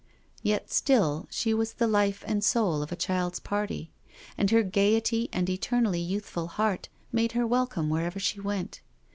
Yet still, she was the life and soul of a child's party, and her gaiety and eternally youthful heart made her welcome wherever she went.